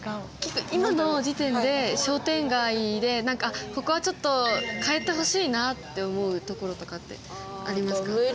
今の時点で商店街でここはちょっと変えてほしいなって思うところとかってありますか？